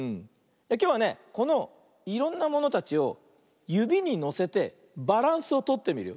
きょうはねこのいろんなものたちをゆびにのせてバランスをとってみるよ。